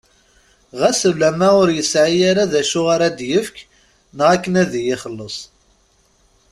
Ɣas ulamma ur yesɛwi ara d acu ara d-yefk neɣ akken ad iyi-ixelles.